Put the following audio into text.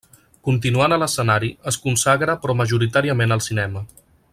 Continuant a l'escenari, es consagra però majoritàriament al cinema.